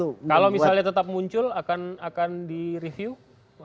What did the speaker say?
kalau misalnya tetap muncul akan di review